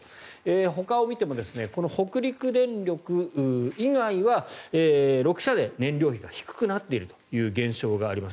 ほかを見ても北陸電力以外は６社で燃料費が低くなっているという現象があります。